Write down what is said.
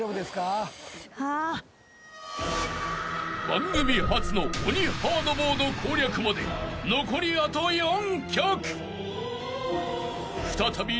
［番組初の鬼ハードモード攻略まで残りあと４曲］［再び］